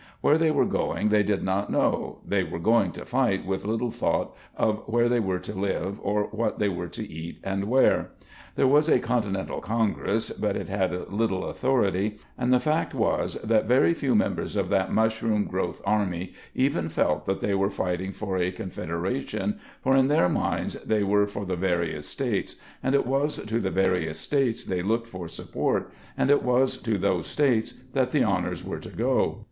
Where they were going they did not know, they were going to fight with little thought of where they were to live or what they were to eat and wear. There was a continental congress but it had little authority and the fact was that very few members of that mushroom growth army even felt that they were fighting for a confederation for in their minds they were for the various states, and it was to the various states they looked for support and it was to those states that the honors were to go.